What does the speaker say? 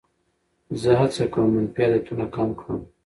زه هڅه کوم منفي عادتونه کم کړم.